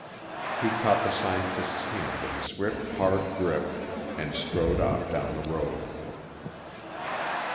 He caught the scientist's hand in a swift hard grip, and strode off down the road.